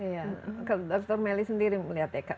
ya kak dr melly sendiri melihat ya